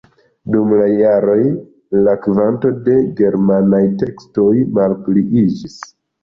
Dum la jaroj la kvanto de germanaj tekstoj malpliiĝis.